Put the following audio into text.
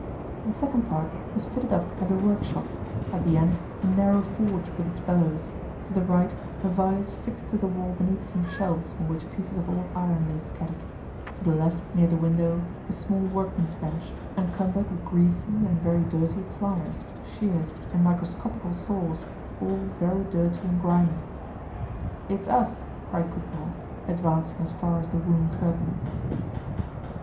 The second part was fitted up as a work shop; at the end, a narrow forge with its bellows; to the right, a vise fixed to the wall beneath some shelves on which pieces of old iron lay scattered; to the left near the window, a small workman's bench, encumbered with greasy and very dirty pliers, shears and microscopical saws, all very dirty and grimy. "It's us!" cried Coupeau advancing as far as the woolen curtain.